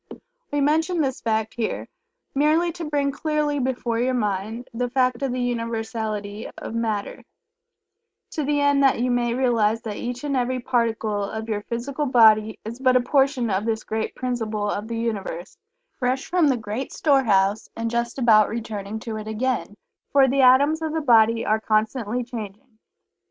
We mention this fact here merely to bring clearly before your mind the fact of the Universality of Matter, to the end that you may realize that each and every particle of your physical body is but a portion of this great principle of the Universe, fresh from the great store house, and just about returning to it again, for the atoms of the body are constantly changing.